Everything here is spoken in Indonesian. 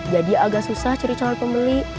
jadi agak susah cari calon pembeli